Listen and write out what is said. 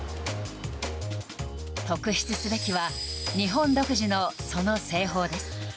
特筆すべきは日本独自のその製法です。